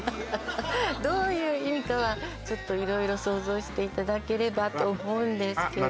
どういう意味かはちょっと色々想像していただければと思うんですけどあっ